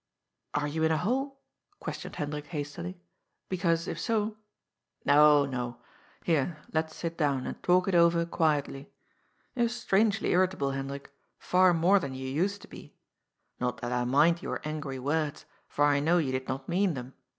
" Are you in a hole ?" questioned Hendrik hastily. " Be cause, if so —"" No, no. Here, let's sit down, and talk it over quietly. You are strangely irritable, Hendrik, far more than you used to be. Not that I mind your angry words, for I know you did not mean them.